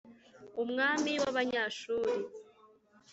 umwami w’Abanyashuru !